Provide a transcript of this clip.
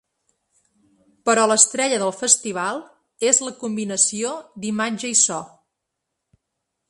Però l’estrella del festival és la combinació d’imatge i so.